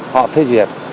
họ phê duyệt